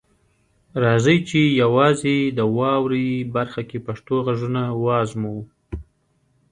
راځئ چې یوازې د "واورئ" برخه کې پښتو غږونه وازموو.